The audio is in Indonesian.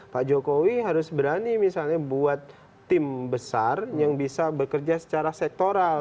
pak jokowi harus berani misalnya buat tim besar yang bisa bekerja secara sektoral